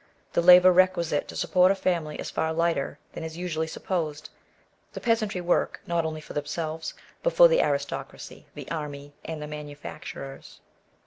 The labour requisite to support a family is far lighter* than is usually supposed. The peasantry work, not only for themselves, but for the aristocracy, the army, and the manufacturers.